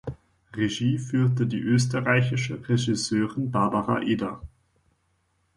Regie führte die österreichische Regisseurin Barbara Eder.